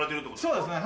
そうですね。